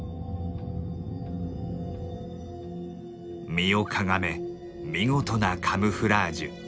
身をかがめ見事なカムフラージュ。